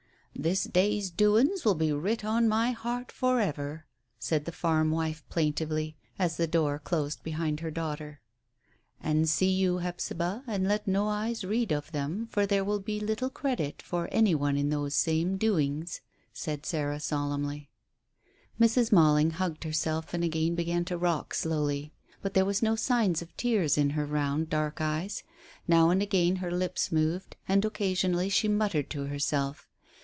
"This day's doin's will be writ on my heart for ever," said the farm wife plaintively, as the door closed behind her daughter. "An' see you, Hephzibah, and let no eyes read of them, for there will be little credit for anyone in those same doings," said Sarah solemnly. Mrs. Malling hugged herself, and again began to rock slowly. But there were no signs of tears in her round, dark eyes. Now and again her lips moved, and occasionally she muttered to herself.